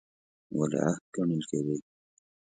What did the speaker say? ولیعهد ګڼل کېدی.